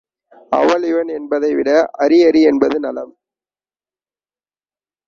அவன் இவன் என்பதைவிட அரி அரி என்பது நலம்.